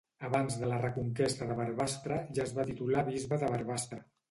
Abans de la reconquesta de Barbastre ja es va titular bisbe de Barbastre.